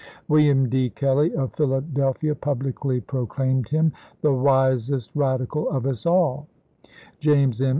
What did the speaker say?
William D. Kelley of Philadelphia publicly pro claimed him " the wisest Radical of us all"; James M.